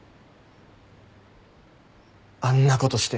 あんなことして。